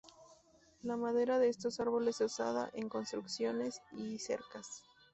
La madera de estos árboles es usada en construcciones y cercas.